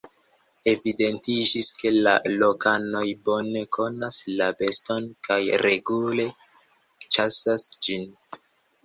Evidentiĝis, ke la lokanoj bone konas la beston kaj regule ĉasas ĝin.